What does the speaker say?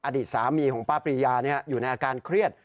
อดีตสามีของป้าปรียาอยู่ในอาการเครียด